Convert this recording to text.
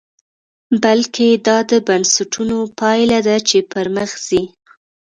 بلکې دا د بنسټونو پایله ده چې پرمخ ځي.